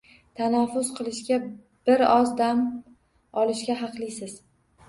Tanaffus qilishga, bir oz dam olishga haqlisiz